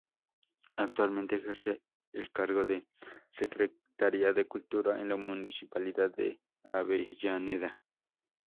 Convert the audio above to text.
Actualmente ejerce el cargo de Secretaria de Cultura en la municipalidad de Avellaneda.